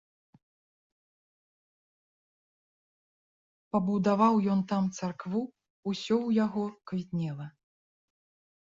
Пабудаваў ён там царкву, усё ў яго квітнела.